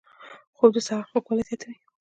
خوب د سحر خوږوالی زیاتوي